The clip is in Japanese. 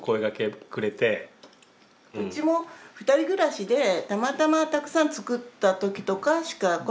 うちも２人暮らしでたまたまたくさん作った時とかしか声はかけない。